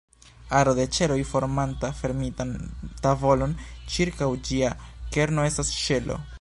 Aro de ĉeloj formanta fermitan tavolon ĉirkaŭ ĝia kerno estas ŝelo.